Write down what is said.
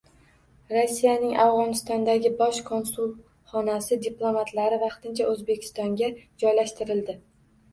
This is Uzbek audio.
Rossiyaning Afg‘onistondagi bosh konsulxonasi diplomatlari vaqtincha O‘zbekistonga joylashtirildi